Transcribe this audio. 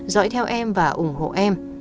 dõi theo em và ủng hộ em